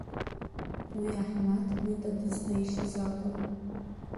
Уи Аҳмаҭ Мыта дызлеишьыз акәын.